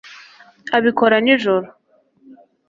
abikora nijoro